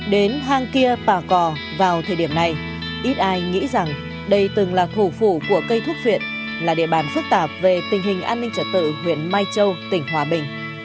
đến hang kia bà cò vào thời điểm này ít ai nghĩ rằng đây từng là thủ phủ của cây thuốc viện là địa bàn phức tạp về tình hình an ninh trật tự huyện mai châu tỉnh hòa bình